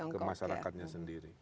ke masyarakatnya sendiri